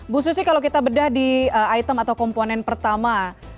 bu susi kalau kita bedah di item atau komponen pertama